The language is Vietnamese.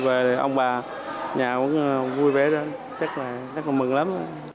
về thì ông bà nhà cũng vui vẻ rồi chắc là rất là mừng lắm